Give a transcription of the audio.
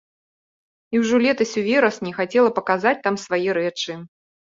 І ўжо летась ў верасні хацела паказаць там свае рэчы.